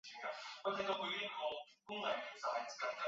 教区位于马德里自治区东部。